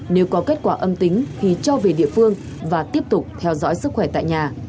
nếu có kết quả âm tính thì cho về địa phương và tiếp tục theo dõi sức khỏe tại nhà